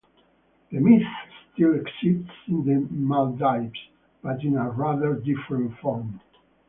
The myth still exists in the Maldives, but in a rather different form.